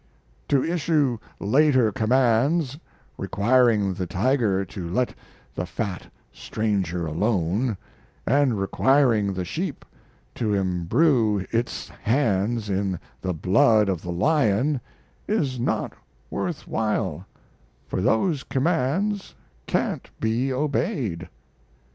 To issue later commands requiring the tiger to let the fat stranger alone, and requiring the sheep to imbrue its hands in the blood of the lion is not worth while, for those commands can't be obeyed.